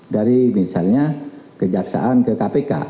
dari misalnya kejaksaan ke kpk